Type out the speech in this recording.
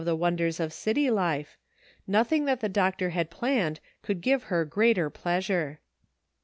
273 the wonders of city life ; nothing that the doc tor had planned could give her greater pleasure.